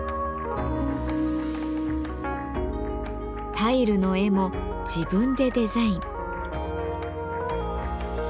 タイルの絵も自分でデザイン。